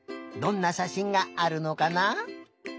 どんなしゃしんがあるのかな？